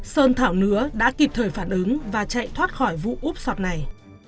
sơn thảo nứa đã kịp thời phản ứng và chạy thoát khỏi vụ úp sọt này